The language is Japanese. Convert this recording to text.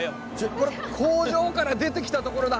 これ工場から出てきたところだ。